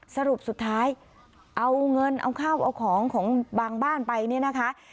สรุปสุดท้ายเอาเงินเอาข้าวเอาของของบางบ้านไปเนี่ยนะคะ